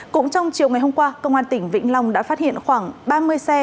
cũng trong chiều ngày hôm qua công an tỉnh vĩnh long đã phát hiện khoảng ba mươi xe